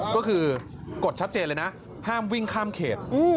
ก็คือกฎชัดเจนเลยนะห้ามวิ่งข้ามเขต